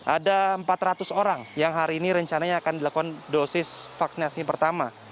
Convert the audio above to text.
ada empat ratus orang yang hari ini rencananya akan dilakukan dosis vaksinasi pertama